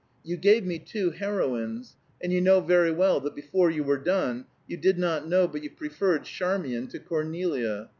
You gave me two heroines, and you know very well that before you were done you did not know but you preferred Charmian to Cornelia.